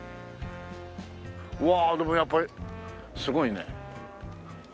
うわでもやっぱりすごいね。